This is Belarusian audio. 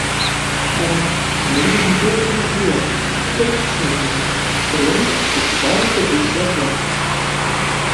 Каля ложка былі вузенькія дзверы, цяпер адчыненыя, і лямпачка кідала туды святло.